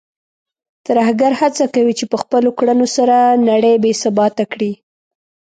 ترهګر هڅه کوي چې په خپلو کړنو سره نړۍ بې ثباته کړي.